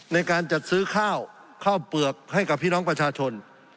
ในการจัดซื้อข้าวข้าวเปลือกให้กับพี่น้องประชาชน